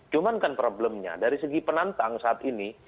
cuman kan problemnya dari segi penantang saat ini